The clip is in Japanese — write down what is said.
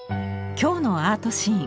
今日の「アートシーン」。